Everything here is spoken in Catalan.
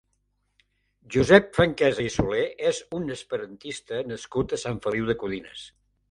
Josep Franquesa i Solé és un esperantista nascut a Sant Feliu de Codines.